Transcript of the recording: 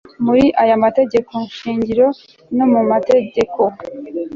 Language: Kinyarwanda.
muri aya mategeko shingiro no mu mategeko